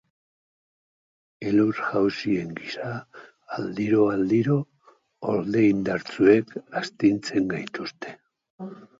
Elur-jausien gisa, aldiro-aldiro olde indartsuek astintzen gaituzte.